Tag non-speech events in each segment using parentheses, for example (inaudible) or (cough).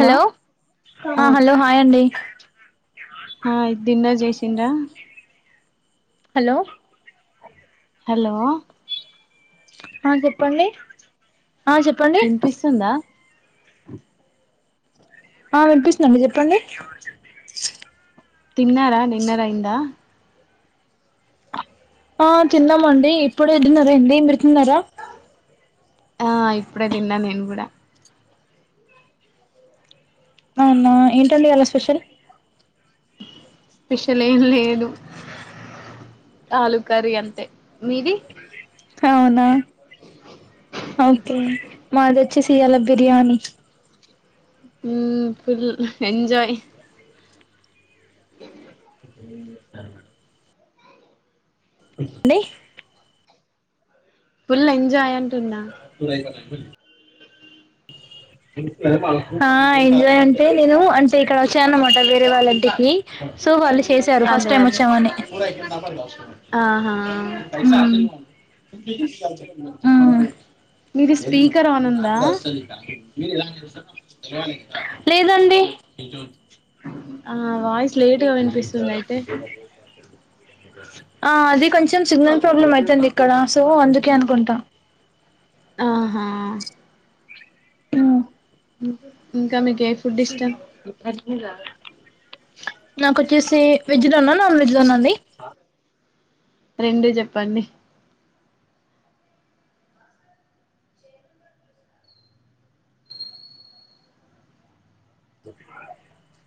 Hello hello hi అండి ఆ dinner చేసిండ్రా హలో హలో ఆ చెప్పండి ఆ చెప్పండి వినిపిస్తుందా ఆ వినిపిస్తున్నాండి చెప్పండి తిన్నారా డిన్నర్ అయ్యిందా ఆ తిన్నాం అండి ఇప్పుడే డిన్నర్ అయింది మీరు తిన్నారా ఆ ఇప్పుడే తిన్నా నేను కూడా అవునా ఏంటండి ఇవాళ స్పెషల్ స్పెషల్ ఏం లేదు ఆలు కర్రీ అంతే మీది అవునా ఓకే మాదోచేసీయాల బిర్యానీ హుమ్ ఫుల్ ఎంజాయ్ (unintelligible) ఏమి చెప్పారు మేడం లే ఫుల్ ఎంజాయ్ అంటున్నా (unintelligible) ఆ ఎంజాయ్ అండీ నేను అంటే ఇక్కడ వచ్చా అన్నమాట వేరే వాళ్ళింటికి సో వాళ్ళు చేసారు ఫస్ట్ అదే టైం అదే వచ్చామని ఆహా మీది స్పీకర్ ఆన్ ఉందా (unintelligible) ఆ లేదండి అ (unintelligible) ఆ అది కొంచెం కొంచెం సిగ్నల్ ప్రాబ్లమ్ అయితుంది ఇక్కడ సో అందుకే అనుకుంటా ఆహా ఆమ్ ఉమ్ ఇంకా మీ కి కర్జూరాల నాకు వొచ్చేసి వెజ్ లోనా నాన్ వెజ్ లోనా అండి రెండు చెప్పండి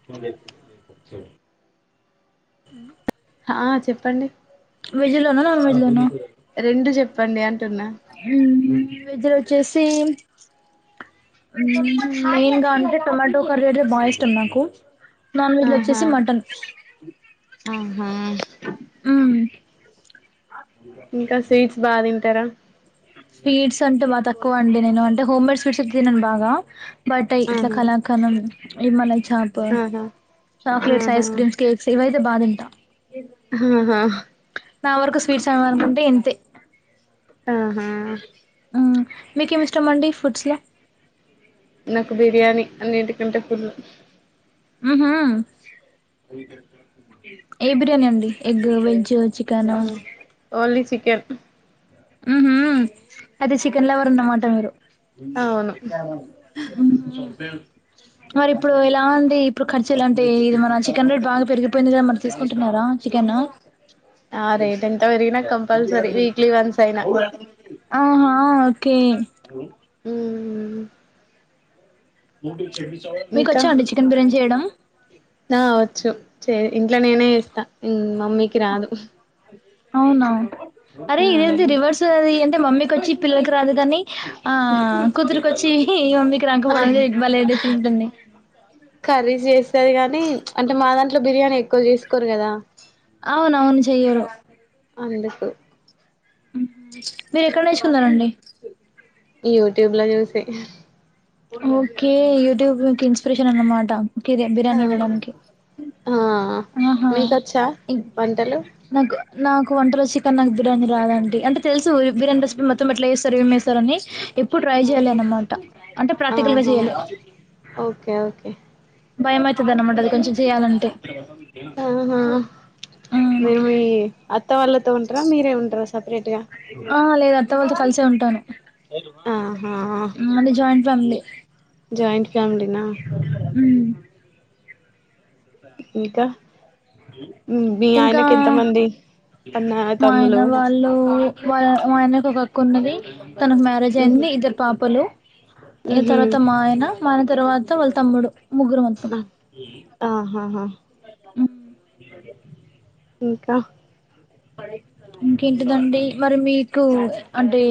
నువ్వే ఆ చెప్పండి వెెజ్ లోన నాన్ వెజ్ లోన రెండు చెప్ప ప్పండి ఉమ్ వెజ్ లో వచ్చేసి ఉమ్ మెయిన్ గా అంటే టమాటో కర్రీ అంటే బాగా ఇష్టం నాకు నాన్ వెజ్ ఆహా లోవచ్చేసి మటన్ ఆహా ఇంకా స్వీట్స్ బా తింటారా స్వీట్స్ అంటే బాగా తక్కువ అండి నేను అంటే హోమ్ మేడ్ స్వీట్స్ అయితే తినను బాగా బట్ ఇట్లా ఆహా కళా కనులు ఇ మల్ల చా తో ఆహా చాక్లేట్స్ ఆహా ఐస్ క్రీమ్స్ కేక్స్ ఇవి అయితే బాతింటా. ఆహాహా నా వరకు స్వీట్స్ ఎమ్ అనుకుంటే ఇంతే. ఆహా. మీకేం ఇష్టమండి ఫుడ్స్ లో నాకు బిర్యానీ అన్నింటికంటే ఫుల్లు. ఉహు ఏ బిర్యానీ అండి ఎగ్, వెజ్ చికెన్ అమ్ ఓన్లి చి కెన్. హుహ్ అయితే చికెన్ లవరు అన్నమాట మీరు. అవును ఊ ఊహ్ మరి ఇప్పుడు ఎలా ఉంది. ఇప్పుడు ఖర్చులు ఎలా అంటే ఇది మన చికెన్ రేట్ బాగా పెరిగిపోయింది కదా మరి తీసుకుంటున్నారా చికెను. ఆ రేట్ ఎంత పెరిగినా కంపల్సరీ వీక్లీ వన్ ఆహా కే ఉ మ చె మీకు ఇంకా వచ్చా అండి చికెన్ బిర్యానీ చేయడం? నా వచ్చు చే ఇంట్లో నేనే చేస్తా మమ్మీకి రాదు. అవునా. అరే ఆ ఇదేంది రివర్స్ అది అంటే మమ్మీకి వచ్చి పిల్లలకి రాదు కాని. ఆ కూతురుకి వచ్చి ఏ (inaudible) మమ్మీకి ఆ రాకపోడం భలే డిఫరెంట్ ఉంది. తది కాని అంటే మా దాంట్లో బిర్యానీ ఎక్కువ చేసుకోరు కదా. అవునవును చెయరు. అందుకు. మీరు ఎక్కడ నేర్చుకున్నారండి? యూట్యూబ్ లో చూసి. ఓకే యూట్యూబ్ మీకు ఇన్స్పరేషన్ అనమాటా. ఒకే ఆ బిర్యానీ వండడానికి ఆ ఆహా మీకొచ్చా ఈ వంటలు నకు నాకు వంటలు చికెన్ నాకు బిర్యానీ రాదండి. అంటే తెలుసు బిర్యానీ రెసిపీ మొత్తం ఎట్లా వేస్తారు, ఏమి వేస్తరు అని. ఎప్పుడు ట్రై చెయ్యలే ఆహా అన్నమాట. అంటే ప్రాక్టికల్ గా చెయ్యాలి. ఆ భయం అయితుంది అన్నమాట అది కొంచెం చెయాలంటే ఆహా మ్మ్. మే (unintelligible) అత్త వాళ్ళ ఉంటారా. మీరే ఉంటారా సపరేట్ గా ఆ లేదు అత్త వాళ్ళతో కలిసే ఉంటాను. ఆహా ఆ మాది జాయింట్ ఫ్యామిలీ జయింట్ ఫ్యామీలీ నా హ్ ఇంకా మీ ఇంకా ఆయనకి ఎంతమంది అన్న మా ఆయన తమ్ములు వాళ్ళు వాల్ల మా ఆయనకు ఒక కొన్నవి తనకు మ్యారేజ్ ఉహు అయింది. ఇద్దరు పాపలు ఇగ ఉహు తర్వాత మా ఆయన మా ఆయన తర్వాత వాళ్ళ తమ్ముడు ముగ్గురు మొత్తం ఆ ఆహాహా ఇంకా ఇంకేంటిదండి. మరి మీకు అంటే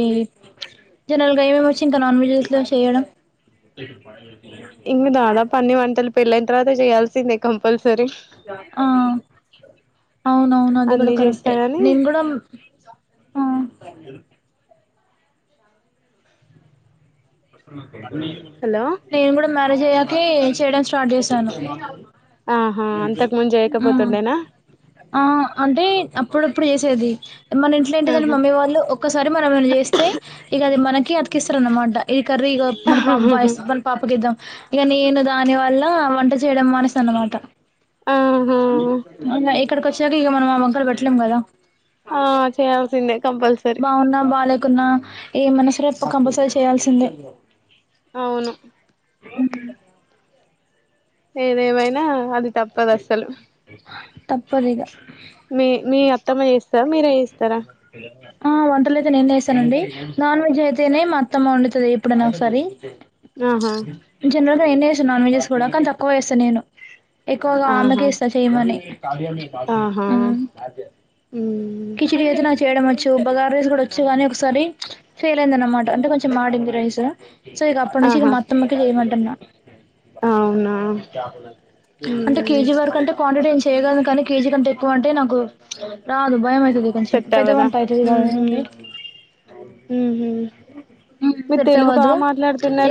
జనరల్గా ఎం ఎం వచ్చు ఇంకా నాన్ వెజస్లో చేయడం. ఇంగ దాదాపు అన్ని వంటలు పెళ్లి అయిన్ తర్వాత చేయల్సిందే కంపల్స ఆ అవునవును అది కూడా అన్ని కరెక్టే చేస్తారని నేను కూడా ఆ హలో నేను కూడా మ్యారేజ్ అయ్యాకే చేయడం స్టార్ట్ జెశాను. ఆహా అంతకు ముందు హ్ చేయకపోతుండేనా ఆ అంటే అప్పుడు అప్పుడు చేసేది మన ఇంట్లో ఏంటిదని ఆహా మమ్మీ వాళ్ళు ఒక్కసారి మనం ఏమన్న చేస్తే అది మనకి అతికిస్తారూ అన్నమాట ఇది కర్రీ ఇగో మన పాప బాగా చేస్తది మన పాప గిద్దం. ఇగా నేను దాని వల్ల వంట చేయడం. మానేశా అన్నమాట ఆహా మా అమ్మ ఎగ్ ఇక్కడికి వచ్చినాక ఇక మనం ఆ వంకలు పెట్టలేం గాదా ఆ చేయాల్సిందే కంపల్స్ బావున్న బాలే కున్నా ఏం మనసురేపు కంపల్సరీ చేయాల్సిందే అవును అ (unintelligible) ఏదేమైనా అది తప్పదసలు తప్పదిగ మీ మీ అప్ అత్తమ్మ జేస్తాద మీరే ఏస్తారా ఆ వంటలు అయితే నేను చేస్తానండి, నాన్ వెజ్ అయితేనే మా అత్తమ్మ ఒండుతది ఎప్పుడైనా ఒకసారి. ఆహా ఆ (unintelligible) జనరల్ గా నేనే యేసు నాన్ వెజెస్ కూడా కానీ తక్కువ ఏస్తా నేను. ఎక్కువగా ఆమెకి ఆహా ఇస్తా చెయమని ఆహా ఊ మ్మ్ కిచిడి ఐతేరా చేయడం ఒచ్చు బగార రైస్ గూడా ఒచ్చు కానీ ఒకసారి ఫెయిల్ అయింది అనమాట అంటే కొంచెం మాడింది రైసు సో ఇక అప్పటి నుంచి ఇగ ఆహా మా అత్తమ్మ కె ఏయమంటున్నా. అవునా అంటే మ్మ్ కేజీ వరకు అంటే కాంటిటీ ఎంచ్ చేయగలను కానీ కేజీ కంటె ఎక్కువ అంటే నాకు రాదు వని ఇగ కొంచం సెట్ పెద అవ్వదా గొంటే ఐపోవు మ్మ్ గదండీ మ్మ్ మీరు తెలుగు కొత్తవద్దు బాగా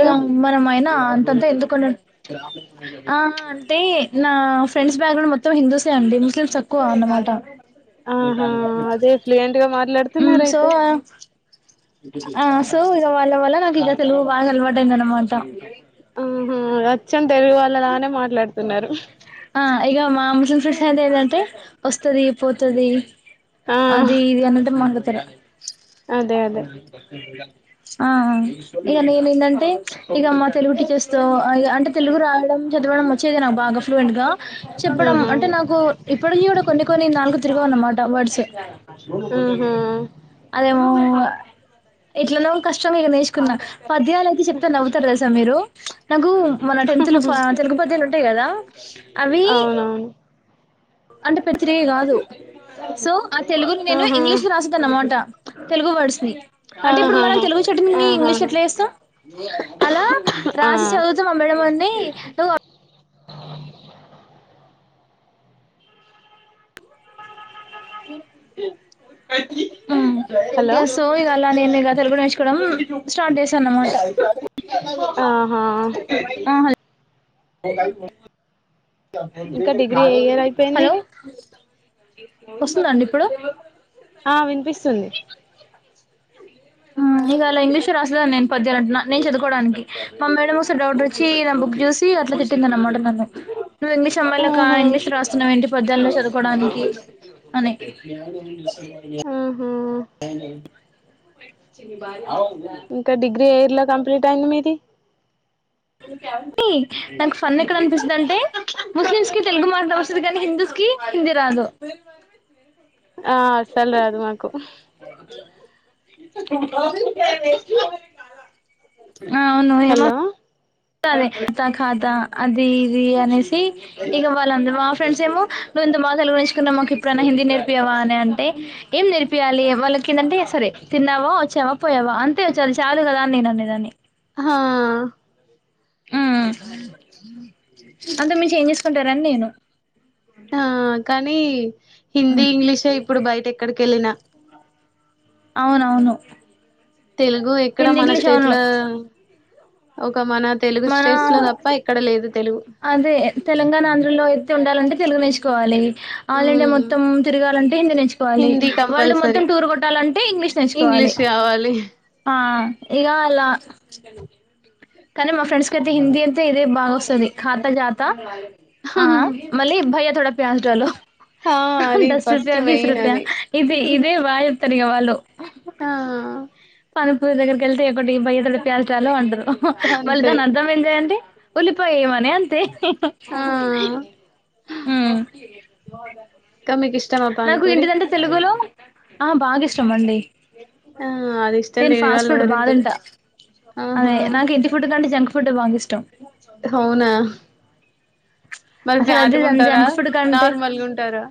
ఇగ మనం మైన్ ఆ అంతంతే ఎందుకు అని ఆ అంటే నా ఫ్రెండ్స్ బ్యాగ్రౌండ్ మొత్తం హిందూసే అండి ముస్లిమ్స్ తక్కువ అన్నమాట ఆహా అదే ఫ్లూయెంట్ గా మాట్లాడుతున్న మ్మ్ సో అయితే ఆ సో ఇగ వాళ్ళ వళ్ల నాకు ఇక తెలుగు బాగా అలవాట అయింది అన్నమాట. ఆహ అచ్చం డెవద్ అలానే మాట్లాడుతున్నారు. ఇగ మా ముస్లిం సైడ్ ఏదంటే వస్తది పోతది. ఆ అదే ఇది అన్నటు మ త్ర అదే బ అదే (unintelligible) ఆ ఇగ నేను ఏందంటే ఇగ మా తెలుగు టీచర్స్తో ఆ ఇగ తెలుగు రావు రం చదవడం వచ్చేది నాకు బాగా ఫ్లూయేంట్గా. చెప్పడం ఆహా అంటే నాకు ఇప్పటికీ కూడా కొన్ని కొన్ని నాలుగు తిరుగ అన్నమాట వర్డ్స్ తే ఆహా అదేమో ఎట్లాన్నా కష్టం ఇగ నేర్చుకున్నాా పద్యాలు అయితే చెప్తే నవ్వుతారు తెలుసా మీరు నకూ మన టెన్త్ లో గు పద్యాలు ఉంటాయి కదా అవి అవునవును అంటే పేతిరి కాదు సో ఆ తెలుగును నేను ఆహా ఇంగ్లీష్ రాసే దాన్ని అన్నమాట తెలుగు వర్డ్స్ ని అంటే ఇప్పుడు మనం ఆహాహా తెలుగు చాటింగ్ ని ఇంగ్లీష్ ల ఆహాహా ఎట్ల చేస్తాం అలా ఆ రాసి చదువుతా అమ్మడం అన్న నువ్వు అ అది హలో ఎ సో ఇగల నేను గథలు కూడా మేచ్చుకోవడం స్టార్ట్ చేశాను అన్నమాట ఆహా ఆ ఇంకా డిగ్రీ ఏ ఇయర్ అయిపోయింది హలో వస్తుందండి ఇప్పుడు ఆ వినిపిస్తుంది ఇక అలా ఇంగ్లీష్ రాస్తుద నేను పదియాను అంటు నేను చదువుకోవడానికి మా మేడ ఒకసారి డౌట్ర్ వచ్చి నా బుక్ చూసి అట్లా చెట్టింద అన్నమాట నన్ను నువవుంగ్లీష అ వాళ్ల ఆహా ఇంగ్లీష్ రాస్తున్నావ ఏంటి ప్రజల్లో చదుకోడానికి అని ఆహా చి బాల ఇంకా డిగ్రీ అయ్య ఇలా కంప్లీట్ అయింది మీది నాకు ఫన్ ఎక్కడ అనిపిస్తుంది అంటే ముస్లిమ్స్ కి తెలుగు మాట్డం వస్తుంది కానీ హిందూస్ కి హిందీ రాదు ఆ చల్ అది మాకు అవును ఏమ హలో అదేఖాతా అది ఇది అనేసి ఇక వాళ్ళంద మా ఫ్రెండ్స్ ఏమో నువ్వు ఇంత మా తలు గురించుకున్నా మాకు ఎప్పుడైనా హిందీ నేర్పయావా అని అంటే ఏం నేర్పయాలి వాళ్ళకి ఏందంటే సరే తిన్నావా వచ్చావా పోయావా అంతే వచ్చాలి చాలుదు కదా అని నేను అనేదాన్ని హా ఆ అంత మించి ఏం చేసుకుంటారని నేను ఆ కానీ హిందీ ఉమ్ ఇంగ్లీషే ఇప్పుడు బయట ఎక్కడికి వెళ్ళిన అవునవును తెలుగు ఎక్కడ హిందీ మన ఇంగ్లీష్ అవును స్టేట్ల ఓకే మన లేదు తెలుగు అదే తెలంగాణ ఆంధ్రలో అయితే ఉండాలంటే తెలుగు నేచుకోవాలి ఆల్ ఇండియా ఉమ్ మొత్తం తిరగాలంటే హిందీ నేర్చుకోవాలి హిందీ వరల్డ్ కంపల్సరీ మొత్తం టూర్ కొట్టాలంటే ఇంగ్లీష్ నేర్చుకోవాలి ఇంగ్లీష్ కావాలి ఆ ఇకా అలా కానీ మా ఫ్రెండ్స్ క అయితే హిందీ అంత ఇదే బా వస్తది ఖాతా జాత ఆ మళ్ళీ భయ్య తోడ ప్యాస్ డాలో ఆ అది దస్ ఫస్ట్ రూపాయా బీస్ మెయిన్ రూపాయా అది ఇది ఇదే బా చెప్తారు వాళ్ళు ఆ పనిపురి దగ్గరికి వెళ్తే ఎటికి బయ్య ప్యాస్ డాలో అంటారు మళ్ళీ అంతే దాని అర్థం ఏం చేయండి ఉల్లిపయ వేయమని అంతే ఆ అ (inaudible) మికి నాకు ఇంటిదంటే తెలుగులో ఆ బాగా ఇష్టం అండి ఆ అది ఇష్టం నేను లేని ఫాస్ట్ వాళ్ళు ఫుడ్ బా ఎవరుంటారు తింట ఆహా అదే నాకు ఇంటి ఫుడ్ కంటే జంక్ ఫుడ్ బాగా ఇష్టం అవునా మరి అసలు అదే ఫ్యాట్గా ఉంటారా జంక్ ఫుడ్ కంటే నార్మల్గా ఉంటారా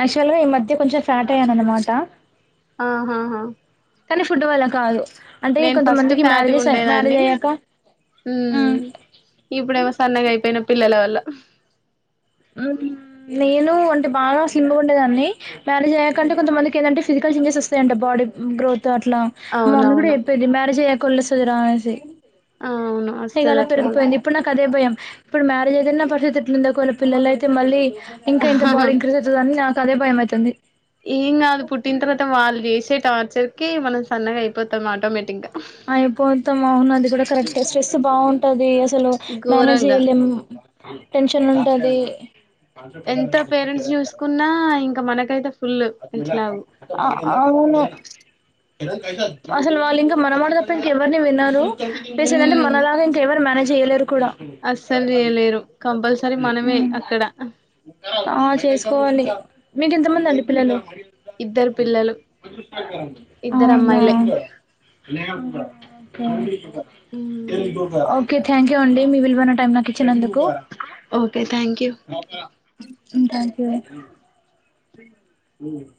యాక్చువల్ గా ఈ మధ్య కొంచెం ఫ్యాట్ అయను అన్నమాట ఆహాహా కానీ ఫుడ్ వల్ల కాదు అంటే నేను ఫస్ట్ కొంతమందికి ఫ్యాట్గా మ్యారేజెస్ మ్యారేజ్ ఉండేదాన్ని అయ్యాక హ హ్మ్ ఇప్పుడేమో సన్నగా అయిపోయిన పిల్లలవ లా నేను అంటే బాగా స్లిమ్గ ఉండేదాన్ని మ్యారేజ్ అయ్యాక కొంత మందికి ఏంది అంటే ఫిజికల్ చేంజె వస్తాయింట బాడీ గ్రోత్ అట్లా మా మమ్మీ కూడా అవునవును చెప్పేది మ్యారేజ్ అయ్యాక (inaudible) అవును వస్తది ఇకలా అట్లా కూడా పెరుకిపోయింది ఇప్పుడు నాకదే భయం (unintelligible) పిల్లల్ని అయితే మళ్ళీ ఇంక ఇంక బాడీ ఇంక్రీజ్ అయితది అని నా అదే భయమ ఇతుంది ఈమ్ కాదు పుట్టిన తర్వాత వాళ్ళు చేేసే టార్చర్ కీ మనం సన్నగా అయిపోతాం ఆటోమేటిక్ గా అయిపోతాం అవునది కూడా కరెక్టే ట్రెస్ బావు టది అస్సలు మేనేజ్ ఘోరంగా చేయలేం టెన్షన్ ఉంటది ఎంత పేరెంట్స్ చూసుకున్నా ఇంక మనకు కైతె తప్ అవును అసలు వాళ్ళు ఇంకా మనమట తప్ప ఇంక ఎవరిని వినరు పెసలంటే హ్మ్ మనలాగ ఇంక ఎవరు మేనేజ్ జేయలేరు కూడా అస్సలు చేయలేరు ఉ కంపల్సరీ మనమే అక్కడ ఆ చేసుకోవాలి మీకు ఎంత మంది అండి పిల్లలో ఇద్దరు పిల్లలు ఇద్దరు అవునా అమ్మాయిలే పోని హ్మ్ ఓకె థ్యాంక్యూ అండి మీ విల్వైన టైమ్ నాకి ఇచ్చి నందుకు okay thank you um thank you అండి ఉ